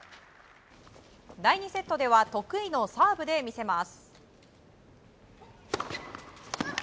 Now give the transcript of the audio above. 第２セットでは得意のサーブで見せます。